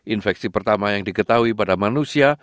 infeksi pertama yang diketahui pada manusia